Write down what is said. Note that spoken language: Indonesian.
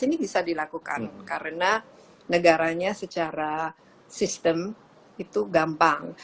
ini bisa dilakukan karena negaranya secara sistem itu gampang